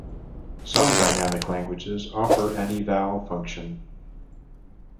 Some dynamic languages offer an "eval" function.